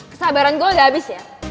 kesabaran gue udah habis ya